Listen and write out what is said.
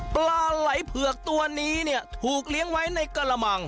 ปลาไหล่เผือกตัวนี้เนี่ยถูกเลี้ยงไว้ในกระมัง